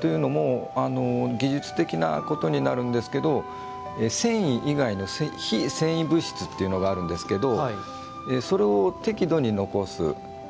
というのも技術的なことになるんですが繊維以外の非繊維物質っていうのがあるんですがそれを適度に残す。